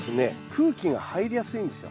空気が入りやすいんですよ。